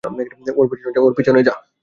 ওর পিছনে যা।